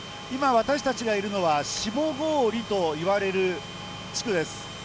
今、私たちがいるのはしもごおりといわれる地区です。